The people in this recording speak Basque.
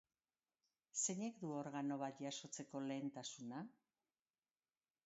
Zeinek du organo bat jasotzeko lehentasuna?